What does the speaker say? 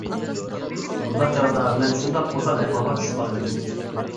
بۇنداق چاغدا مەن شۇنداق ئوسال ئەھۋالغا چۈشۈپ قالىمەن.